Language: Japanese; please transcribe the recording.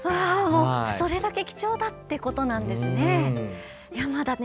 それだけ貴重だということなんですね。